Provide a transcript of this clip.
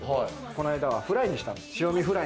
こないだはフライにしたんです。